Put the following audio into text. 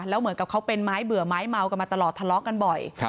แล้วเหมือนกับเขาเป็นไม้เบื่อไม้เมากันมาตลอดทะเลาะกันบ่อย